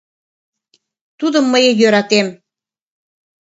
Тудым мые йӧратем